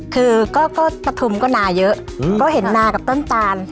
คือก็ปฐุมก็นาเยอะก็เห็นนากับต้นตาล